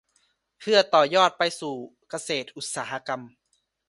เพื่อต่อยอดไปสู่เกษตรอุตสาหกรรม